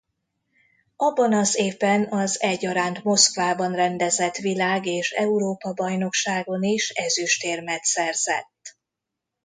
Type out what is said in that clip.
Abban az évben az egyaránt Moszkvában rendezett világ- és Európa-bajnokságon is ezüstérmet szerzett.